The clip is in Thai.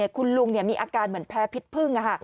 คุณลุงมีอาการเหมือนแพ้พิษพึ่ง